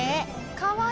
かわいい。